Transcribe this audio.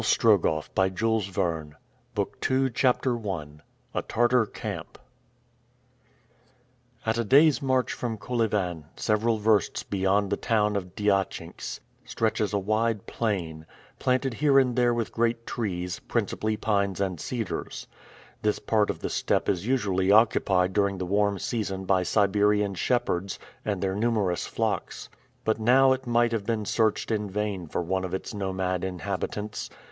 END OF BOOK I BOOK II CHAPTER I A TARTAR CAMP AT a day's march from Kolyvan, several versts beyond the town of Diachinks, stretches a wide plain, planted here and there with great trees, principally pines and cedars. This part of the steppe is usually occupied during the warm season by Siberian shepherds, and their numerous flocks. But now it might have been searched in vain for one of its nomad inhabitants.